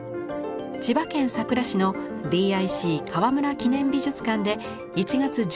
千葉県佐倉市のＤＩＣ川村記念美術館で１月１５日まで。